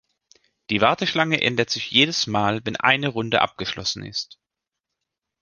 Die Warteschlange ändert sich jedes Mal, wenn eine Runde abgeschlossen ist.